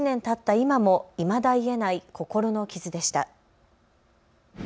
今もいまだ癒えない心の傷でした。